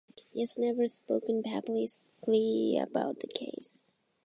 He has never spoken publicly about the case.